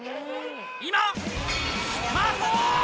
今スタート！